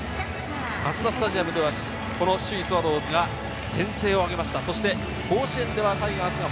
各地ですが、マツダスタジアムでは首位・スワローズが先制をあげました。